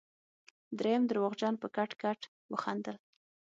دريم درواغجن په کټ کټ وخندل.